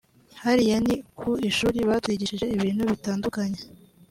hariya ni ku ishuri batwigishije ibintu bitandukanye